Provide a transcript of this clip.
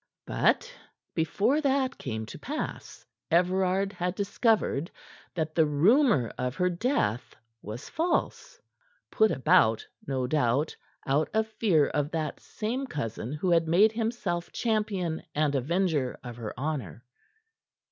But before that came to pass Everard had discovered that the rumor of her death was false put about, no doubt, out of fear of that same cousin who had made himself champion and avenger of her honor.